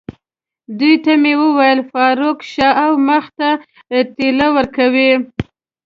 دوی ته مې وویل: فاروق، شا او مخ ته ټېله ورکړئ.